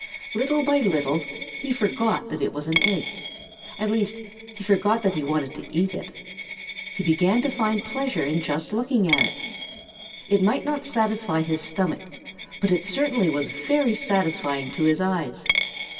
Little by little he forgot that it was an egg. At least, he forgot that he wanted to eat it. He began to find pleasure in just looking at it. It might not satisfy his stomach, but it certainly was very satisfying to his eyes.